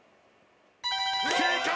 正解！